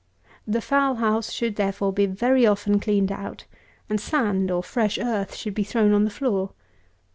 The fowl house should, therefore, be very often cleaned out; and sand, or fresh earth, should be thrown on the floor.